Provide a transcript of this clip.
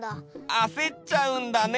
あせっちゃうんだね！